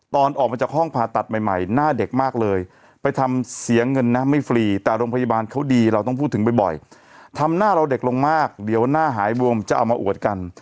ตอนออกมาจากห้องผ่าตัดใหม่หน้าเด็กมากเลยไปทำเสียเงินนะไม่ฟรีแต่โรงพยาบาลเขาดีเราต้องพูดถึงบ่อยทำหน้าเราเด็กลงมากเดี๋ยวหน้าหายบวมจะเอามาอวดกัน